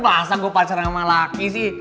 masa gue pacar sama laki sih